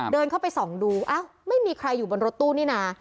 เดินเข้าไปส่องดูอ้าวไม่มีใครอยู่บนรถตู้นี่นะ